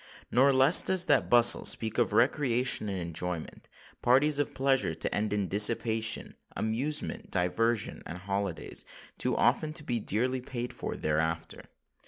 Nor less does that bustle speak of recreation and enjoyment—parties of pleasure to end in dissipation—amusement, diversion, and holiday, too often to be dearly paid for thereafter!